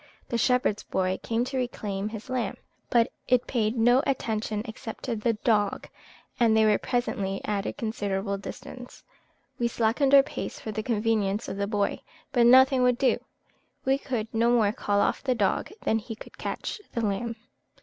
The shepherd's boy came to reclaim his lamb; but it paid no attention except to the dog, and they were presently at a considerable distance. We slackened our pace for the convenience of the boy, but nothing would do; we could no more call off the dog than he could catch the lamb.